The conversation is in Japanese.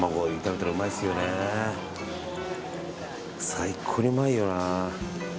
最高にうまいよな。